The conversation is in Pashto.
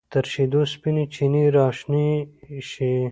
تر شیدو سپینې چینې راشنې شي